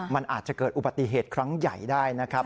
มันอาจจะเกิดอุบัติเหตุครั้งใหญ่ได้นะครับ